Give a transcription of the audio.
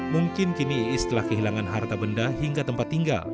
mungkin kini iis telah kehilangan harta benda hingga tempat tinggal